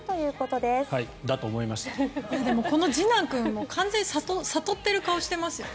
でもこの次男君も完全に悟っている顔をしていますよね。